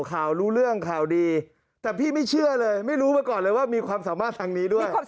รู้เรื่องข่าวดีแต่พี่ไม่เชื่อเลยไม่รู้มาก่อนเลยว่ามีความสามารถทางนี้ด้วย